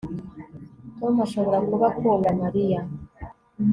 Tom ashobora kuba akunda Mariya